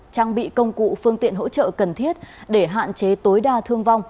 trang bị công cụ phương tiện hỗ trợ cần thiết để hạn chế tối đa thương vong